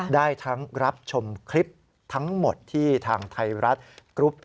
ได้ทั้งรับชมคลิปทั้งหมดที่ทางไทยรัฐกรุ๊ป